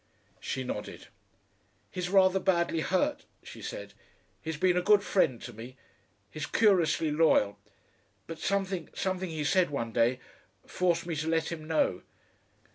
She nodded. "He's rather badly hurt," she said. "He's been a good friend to me. He's curiously loyal. But something, something he said one day forced me to let him know....